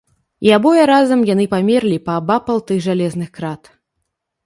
І абое разам яны памерлі паабапал тых жалезных крат.